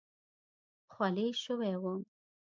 خولې شوی وم.